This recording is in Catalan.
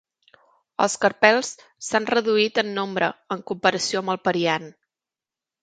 Els carpels s'han reduït en nombre en comparació amb el periant.